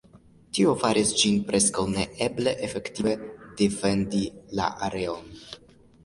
Tio faris ĝin preskaŭ neeble efektive defendi la areon.